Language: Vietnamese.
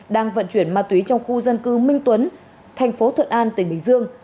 đang vận chuyển ma túy trong khu dân cư minh tuấn tp thuận an tỉnh bình dương